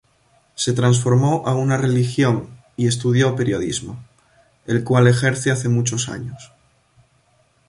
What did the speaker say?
Se transformó a una religión y estudió periodismo, el cual ejerce hace muchos años.